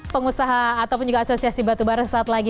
pengusaha ataupun juga asosiasi batubara sesaat lagi